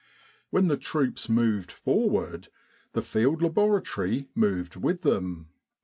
When the troops moved forward, the Field Laboratory moved with them.